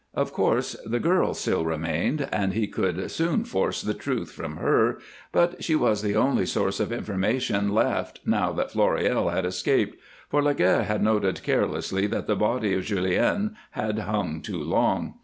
Of course the girl still remained, and he could soon force the truth from her, but she was the only source of information left now that Floréal had escaped, for Laguerre had noted carelessly that the body of Julien had hung too long.